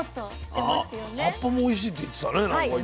葉っぱもおいしいって言ってたねなんか今。